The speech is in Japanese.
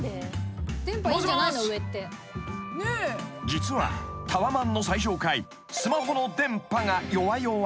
［実はタワマンの最上階スマホの電波が弱々］